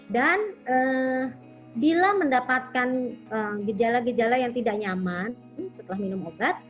dan bila mendapatkan gejala gejala yang tidak nyaman setelah minum obat